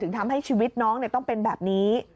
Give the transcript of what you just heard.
ถึงทำให้ชีวิตน้องเนี่ยต้องเป็นแบบนี้